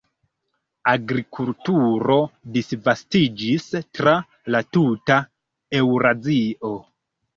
Agrikulturo disvastiĝis tra la tuta Eŭrazio.